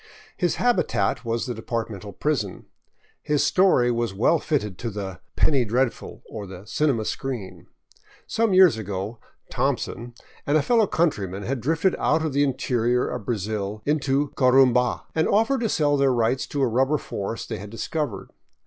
His habitat was the departmental prison. His story was well fitted to the " Penny Dreadful " or the cinema screen. Some years ago *' Thomp son " and a fellow countryman had drifted out of the interior of Brazil into Corumba, and offered to sell their rights to a rubber forest they had discovered.